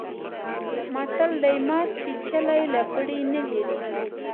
متل دی: مار چیچلی له پړي نه وېرېږي.